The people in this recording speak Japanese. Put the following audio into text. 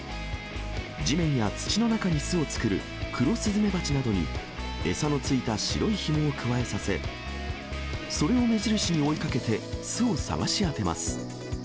地面や土の中に巣を作るクロスズメバチなどに、餌のついた白いひもをくわえさせ、それを目印に追いかけて巣を探し当てます。